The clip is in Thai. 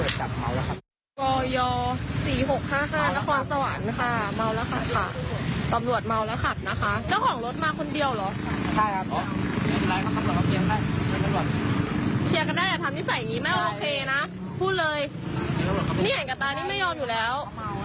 นี้เห็นกระตานี่ไม่ยอมอยู่แล้ว